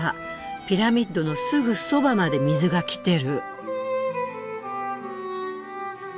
ピラミッドのすぐそばまで水が来てる。